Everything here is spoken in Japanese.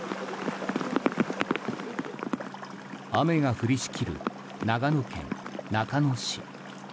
雨が降りしきる長野県中野市。